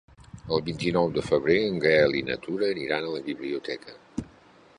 El vint-i-nou de febrer en Gaël i na Tura aniran a la biblioteca.